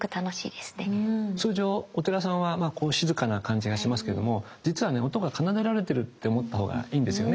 通常お寺さんは静かな感じがしますけども実はね音が奏でられてるって思った方がいいんですよね。